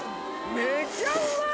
めちゃうまい！